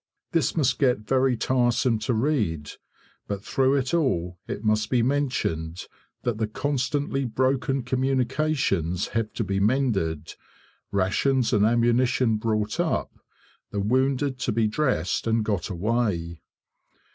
This must get very tiresome to read; but through it all, it must be mentioned that the constantly broken communications have to be mended, rations and ammunition brought up, the wounded to be dressed and got away.